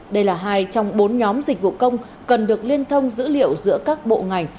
đây là hai trong bốn nhóm dịch vụ công cần được liên thông dữ liệu giữa các bộ ngành